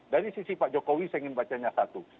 dari sisi pak jokowi saya ingin bacanya satu